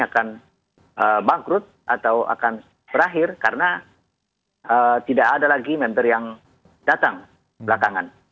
akan bangkrut atau akan berakhir karena tidak ada lagi member yang datang belakangan